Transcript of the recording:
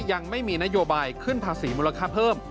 ยังไม่มีนโยบายขึ้นภาษีมูลค่าเพิ่ม